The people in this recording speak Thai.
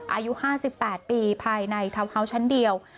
อายุ๕๘ปีภายในเทาเขาชั้นเดียว